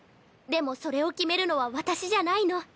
でもそれを決めるのは私じゃないの。